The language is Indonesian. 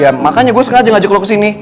ya makanya gue sengaja ngajak lo kesini